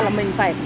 bất cứ bệnh gì